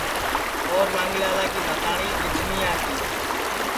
اور مانگھی لالا کی بھتاٹؔی لیجھمیا کی